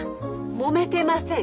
もめてません。